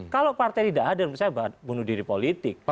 kalau partai tidak hadir menurut saya bunuh diri politik